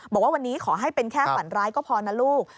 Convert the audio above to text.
บอกว่าวันนี้ขอให้เป็นแค่ฝันร้ายก็พอนะลูก